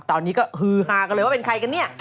ตอนนี้ก็ฮือฮากันเลยว่าเป็นใครกันเนี่ย